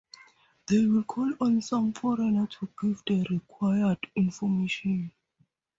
They will call on some foreigner to give the required information.